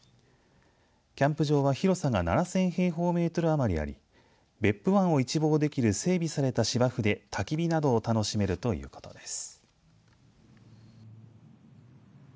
キャンプ場は広さが７０００平方メートル余りあり別府湾を一望できる整備された芝生でたき火などを楽しめるということです。